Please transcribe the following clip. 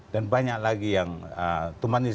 dan banyak lagi yang tumpang ini